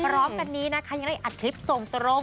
พร้อมกันนี้นะคะยังได้อัดคลิปส่งตรง